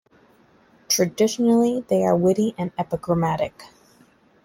Traditionally, they are witty and epigrammic.